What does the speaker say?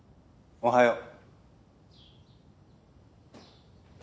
おはよう。